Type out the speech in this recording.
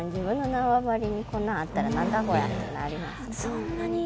そんなに。